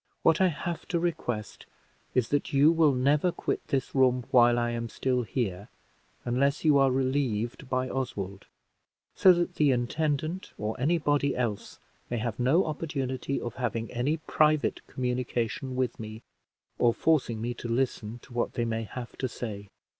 What I have to request is, that you will never quit this room while I am still here unless you are relieved by Oswald; so that the intendant or any body else may have no opportunity of having any private communication with me, or forcing me to listen to what they may have to say.